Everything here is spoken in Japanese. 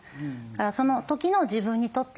だからその時の自分にとって必要なものが